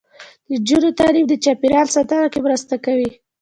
د نجونو تعلیم د چاپیریال ساتنه کې مرسته کوي.